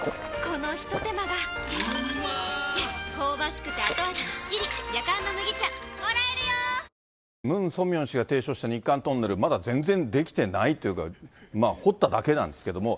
そして２０１６年には、ムン・ソンミョン氏が提唱した日韓トンネル、まだ全然出来てないというか、掘っただけなんですけども。